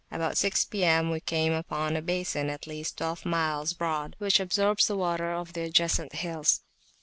About six P.M., we came upon a basin at least twelve miles broad, which absorbs the water of the adjacent hills.